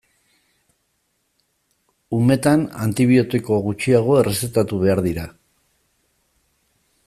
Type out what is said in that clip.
Umetan antibiotiko gutxiago errezetatu behar dira.